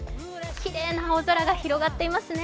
きれいな青空が広がっていますね。